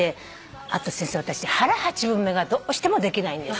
あと先生私腹八分目がどうしてもできないんです。